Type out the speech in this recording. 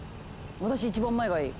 私一番前がいい！